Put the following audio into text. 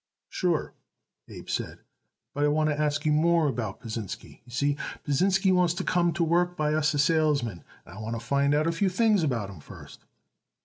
"Sure," Abe said, "but I wanted to ask you more about Pasinsky. You see, Pasinsky wants to come to work by us as salesman, and I want to find out a few things about him first."